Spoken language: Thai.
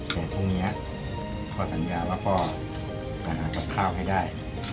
แต่พรุ่งนี้พ่อสัญญาว่าพ่อหากับข้าวให้ได้